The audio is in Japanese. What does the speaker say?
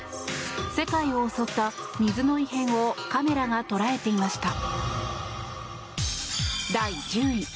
世界を襲った水の異変をカメラが捉えていました。